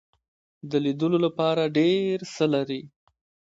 د لیدلو لپاره ډیر څه لري.